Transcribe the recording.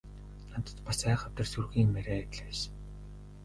Надад бас айхавтар сүрхий юм яриад л байсан.